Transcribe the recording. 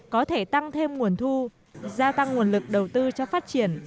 có thể tăng thêm nguồn thu gia tăng nguồn lực đầu tư cho phát triển